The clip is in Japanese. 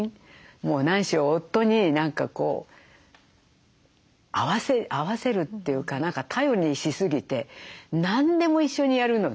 もう何しろ夫に何かこう合わせるっていうか何か頼りにしすぎて何でも一緒にやるので。